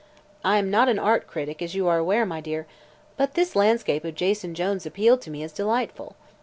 I am not an art critic, as you are aware, my dear, but this landscape of Jason Jones appealed to me as delightful.